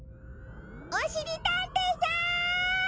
おしりたんていさん！